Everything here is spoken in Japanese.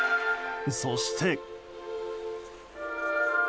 そして。